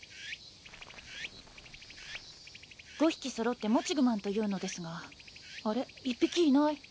５匹揃ってモチグマンというのですがあれ１匹いない。